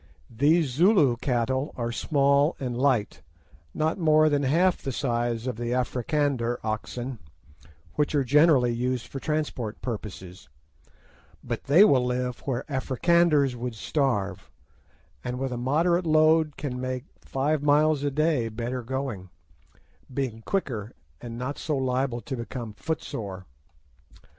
These Zulu cattle are small and light, not more than half the size of the Africander oxen, which are generally used for transport purposes; but they will live where the Africanders would starve, and with a moderate load can make five miles a day better going, being quicker and not so liable to become footsore.